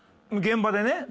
現場でね。